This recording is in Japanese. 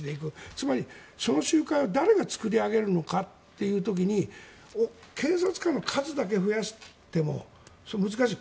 つまり、その集会を誰が作り上げるのかという時に警察官の数だけ増やしても難しい。